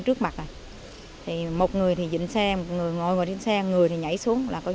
thu thập thông tin tổ chức khám nghiệm hiện trường đồng thời cử các mũi trinh sát truy xét nhóm đối tượng gây án